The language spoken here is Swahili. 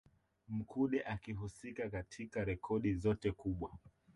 Mkude akihusika katika rekodi zote kubwa